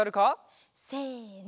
せの。